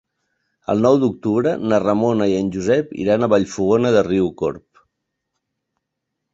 El nou d'octubre na Ramona i en Josep iran a Vallfogona de Riucorb.